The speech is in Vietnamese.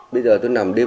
bây giờ tôi nằm đêm